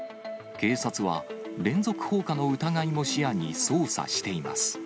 警察は連続放火の疑いも視野に捜査しています。